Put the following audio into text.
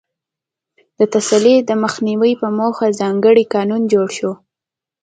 د تېښتې د مخنیوي په موخه ځانګړی قانون جوړ شو.